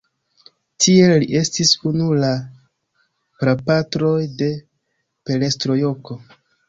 Tiel li estis unu el prapatroj de perestrojko.